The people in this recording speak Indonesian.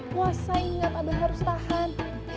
puasa inget abang harus tahan